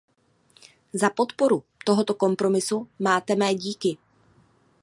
Za podporu tohoto kompromisu máte mé díky.